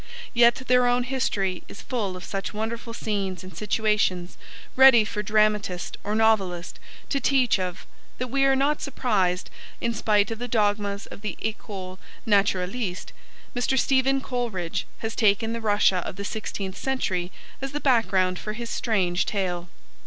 Yet their own history is full of such wonderful scenes and situations, ready for dramatist or novelist to treat of, that we are not surprised that, in spite of the dogmas of the ecole naturaliste, Mr. Stephen Coleridge has taken the Russia of the sixteenth century as the background for his strange tale.